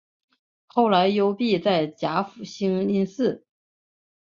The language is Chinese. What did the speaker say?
后来幽闭在甲府兴因寺。